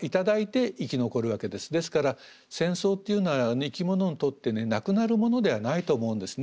ですから戦争っていうのは生き物にとってなくなるものではないと思うんですね。